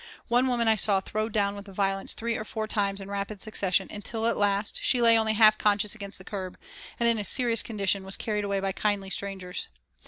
One woman I saw thrown down with violence three or four times in rapid succession, until at last she lay only half conscious against the curb, and in a serious condition was carried away by kindly strangers.